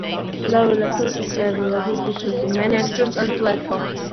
Level access is available between the main entrance and platform.